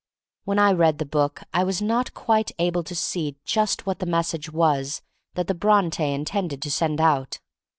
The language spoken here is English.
When I read the book I was not quite able to see just what the message was that the Bronte intended to send out.